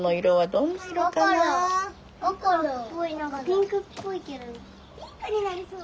ピンクっぽいけど。